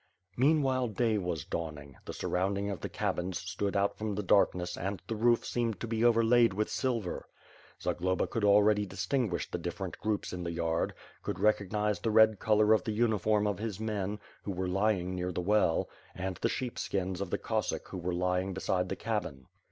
Meanwhile day was dawning, the surrounding of the cabins stood out from the darkness and the roof seemed to be over* laid with silver. Zagloba could already distinguish the dif ferent groups in the yard; could recognize the red color of the uniform of his men, who were lying near the well, and the sheep skins of the Cossack who were lying beside the cabin.